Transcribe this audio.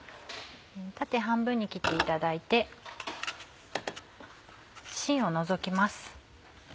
縦半分に切っていただいてしんを除きます。